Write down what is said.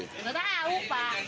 enggak tahu pak